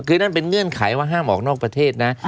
คือนั่นเป็นเงื่อนไขว่าห้ามออกนอกประเทศนะ